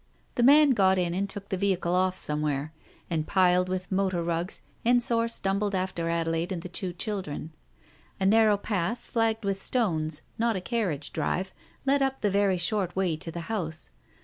The man got in and took the vehicle off somewhere, and piled with motor rugs, Ensor stumbled after Ade laide and the two children. A narrow path, flagged with stones, not a carriage drive, led up the very short way to the house.